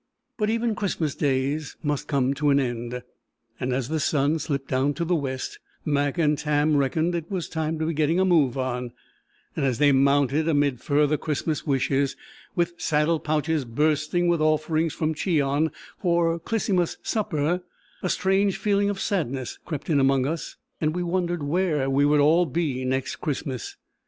But even Christmas days must come to an end; and as the sun slipped down to the west, Mac and Tam "reckoned it was time to be getting a move on "; and as they mounted amid further Christmas wishes, with saddle pouches bursting with offerings from Cheon for "Clisymus supper," a strange feeling of sadness crept in among us, and we wondered where "we would all be next Christmas."